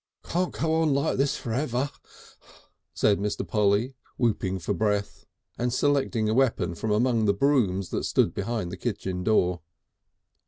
"Can't go on like this for ever," said Mr. Polly, whooping for breath, and selecting a weapon from among the brooms that stood behind the kitchen door.